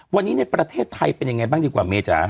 วันนี้ในประเทศไทยเป็นยังไงบ้างดีกว่าเมจ๋า